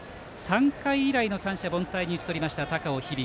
３回以来の三者凡退に打ち取った高尾響。